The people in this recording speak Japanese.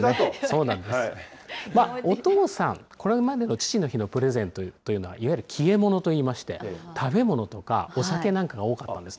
お父さん、これまでの父の日のプレゼントというのはいわゆる消え物といいまして、食べ物とか、お酒なんかが多かったんですね。